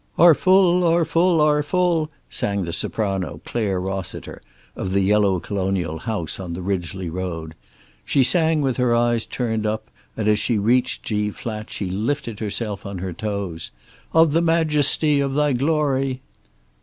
"Are full, are full, are full," sang the soprano, Clare Rossiter, of the yellow colonial house on the Ridgely Road. She sang with her eyes turned up, and as she reached G flat she lifted herself on her toes. "Of the majesty, of Thy glory."